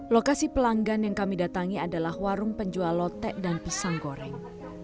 lokasi pelanggan yang kami datangi adalah warung penjual lotek dan pisang goreng